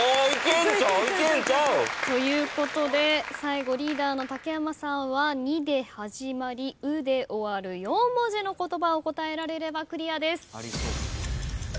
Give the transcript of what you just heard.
いけんちゃう？ということで最後リーダーの竹山さんは「に」で始まり「う」で終わる４文字の言葉を答えられればクリアです。